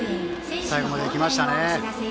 最後まで行きましたね。